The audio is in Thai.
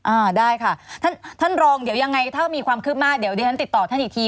อ่าได้ค่ะท่านรองเดี๋ยวยังไงถ้ามีความคืบมากเดี๋ยวเดี๋ยวท่านติดต่อท่านอีกที